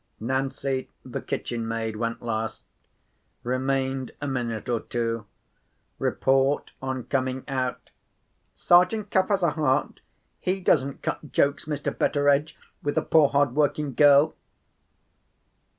Nancy, the kitchen maid, went last. Remained a minute or two. Report, on coming out: "Sergeant Cuff has a heart; he doesn't cut jokes, Mr. Betteredge, with a poor hard working girl."